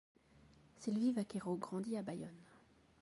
Sylvie Vaquero grandit à Bayonne.